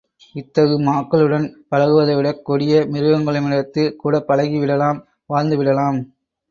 இத்தகு மாக்களுடன் பழகுவதை விடக் கொடிய மிருகங்களிடத்தில் கூடப் பழகி விடலாம் வாழ்ந்து விடலாம்.